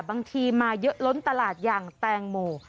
บางทีมาเยอะล้นตลาดอย่างแตงโม